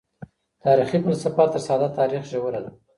تاريخي فلسفه تر ساده تاريخ ژوره ده.